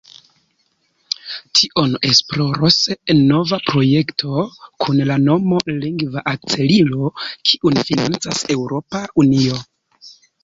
Tion esploros nova projekto kun la nomo "Lingva Akcelilo", kiun financas Eŭropa Unio.